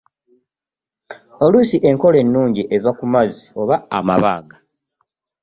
Oluusi enkota ennene eva ku mazzi oba amabanga.